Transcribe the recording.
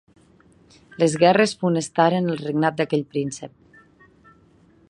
Les guerres funestaren el regnat d'aquell príncep.